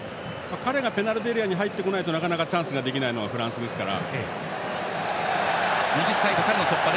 彼がペナルティーエリアに入ってこないとなかなかチャンスができないのがフランスなので。